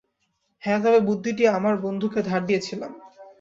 হ্যাঁ, তবে বুদ্ধিটি আমার বন্ধুকে ধার দিয়েছিলাম।